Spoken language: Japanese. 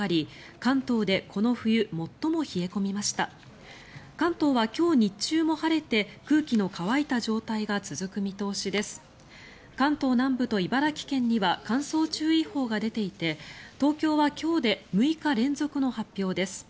関東南部と茨城県には乾燥注意報が出ていて東京は今日で６日連続の発表です。